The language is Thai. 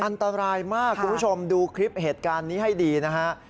อันตรายมากคุณผู้ชมดูคลิปเหตุการณ์นี้ให้ดีนะฮะ